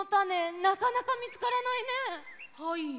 はい。